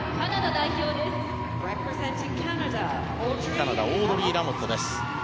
カナダオードリー・ラモットです。